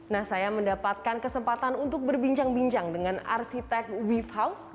nah saya mendapatkan kesempatan untuk berbincang bincang dengan arsitek wave house